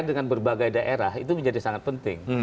dengan berbagai daerah itu menjadi sangat penting